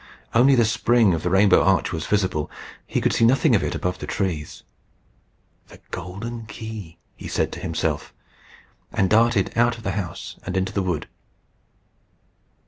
Only the spring of the rainbow arch was visible. He could see nothing of it above the trees. "The golden key!" he said to himself, and darted out of the house, and into the wood.